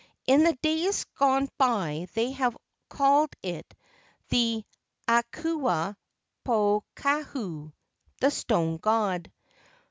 In the days gone by they have called it the "Akua pohaku" (the stone god).